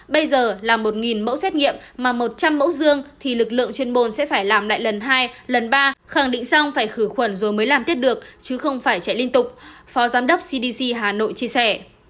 bây giờ là một mẫu xét nghiệm mà một trăm linh mẫu dương thì lực lượng chuyên môn sẽ phải làm lại lần hai lần ba khẳng định xong phải khử khuẩn rồi mới làm tiếp được chứ không phải chạy liên tục phó giám đốc cdc hà nội chia sẻ